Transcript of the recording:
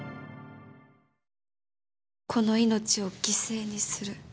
この命を犠牲にする。